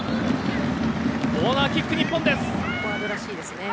コーナーキック、日本です。